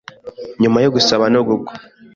nyuma yo gusaba no gukwa.